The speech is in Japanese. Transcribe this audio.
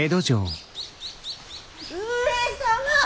上様！